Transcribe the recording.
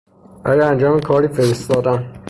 برای انجام کاری فرستادن